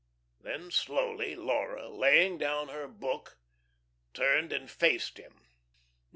Then slowly Laura, laying down her book, turned and faced him.